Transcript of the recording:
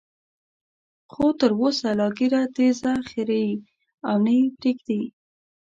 خو تر اوسه لا ږیره تېزه خرېي او نه یې پریږدي.